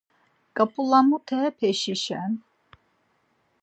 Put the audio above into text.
Ǩap̌ulamutepeşişen!